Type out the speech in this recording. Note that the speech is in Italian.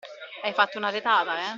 Hai fatto una retata, eh!